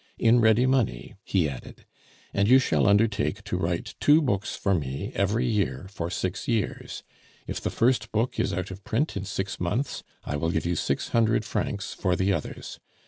"In ready money," he added; "and you shall undertake to write two books for me every year for six years. If the first book is out of print in six months, I will give you six hundred francs for the others.